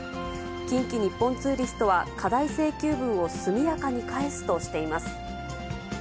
近畿日本ツーリストは、過大請求分を速やかに返すとしています。